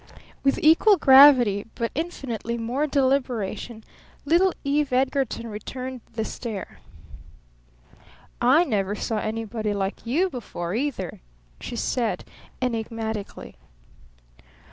With equal gravity but infinitely more deliberation little Eve Edgarton returned the stare. "I never saw anybody like you before, either," she said enigmatically.